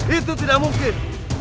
itu tidak mungkin